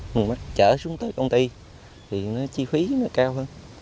mình chở xuống tới công ty thì nó chi phí nó cao hơn